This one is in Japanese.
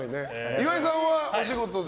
岩井さんはお仕事で。